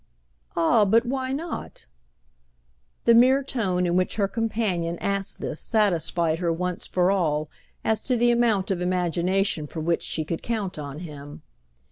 "Ah but why not?" The mere tone in which her companion asked this satisfied her once for all as to the amount of imagination for which she could count on him.